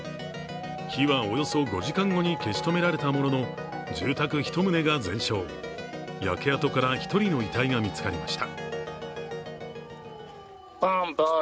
火はおよそ５時間後に消し止められたものの、住宅１棟が全焼、焼け跡から１人の遺体が見つかりました。